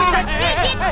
oh betul pak